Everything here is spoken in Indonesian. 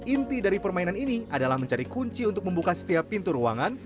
inti dari permainan ini adalah mencari kunci untuk membuka setiap pintu ruangan